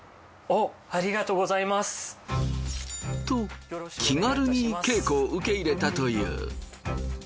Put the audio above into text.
と気軽に稽古を受け入れたという。